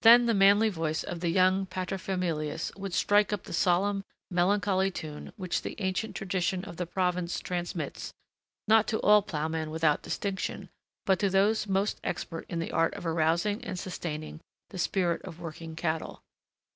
Then the manly voice of the young paterfamilias would strike up the solemn, melancholy tune which the ancient tradition of the province transmits, not to all ploughmen without distinction, but to those most expert in the art of arousing and sustaining the spirit of working cattle.